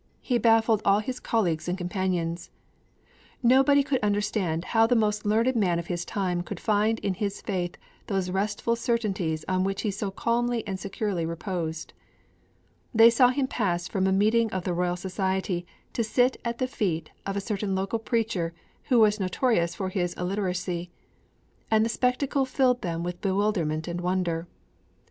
He baffled all his colleagues and companions. Nobody could understand how the most learned man of his time could find in his faith those restful certainties on which he so calmly and securely reposed. They saw him pass from a meeting of the Royal Society to sit at the feet of a certain local preacher who was notorious for his illiteracy; and the spectacle filled them with bewilderment and wonder.